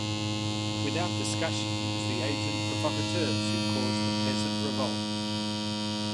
Without discussion, it was the agents provocateurs who caused the Peasant Revolt.